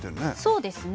そうですね。